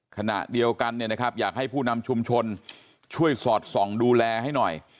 ขณะเดียวกันอยากให้ผู้นำชุมชนช่วยสอดส่องดูแลให้หน่อย